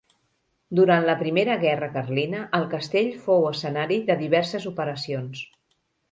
Durant la primera guerra carlina el castell fou escenari de diverses operacions.